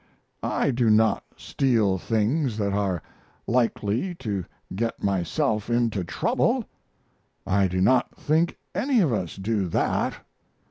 I do not steal things that are likely to get myself into trouble. I do not think any of us do that.